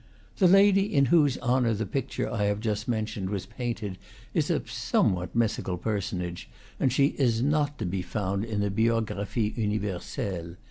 The lady in whose honor the picture I have just men tioned was painted is a somewhat mythical personage, and she is not to be found in the "Biographie Uni verselle."